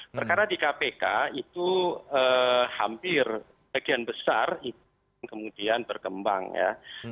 perkara di kpk itu hampir bagian besar itu kemudian berkembang ya